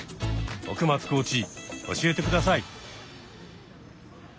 奥松コーチ教えて下さい。